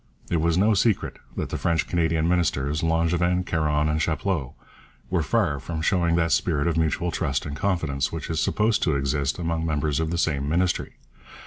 It was no secret that the French Canadian ministers, Langevin, Caron, and Chapleau, were far from showing that spirit of mutual trust and confidence which is supposed to exist among members of the same Ministry.